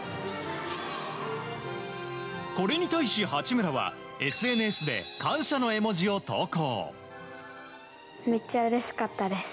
これに対し、八村はＳＮＳで感謝の絵文字を投稿。